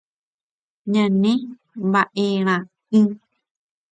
Ñane mbaʼerãʼỹ.